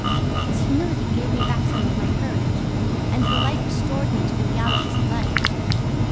His humility gave me back some of my courage; and the light restored me to the realties of life.